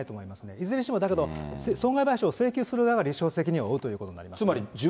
いずれにしても、だけど、損害賠償を請求する側が、立証責任を負うということになります。